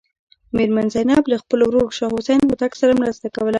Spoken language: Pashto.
میرمن زینب له خپل ورور شاه حسین هوتک سره مرسته کوله.